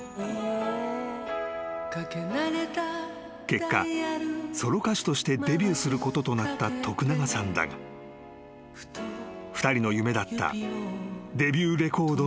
［結果ソロ歌手としてデビューすることとなった永さんだが２人の夢だったデビューレコードの盤面には］